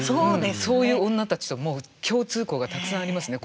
そういう女たちともう共通項がたくさんありますね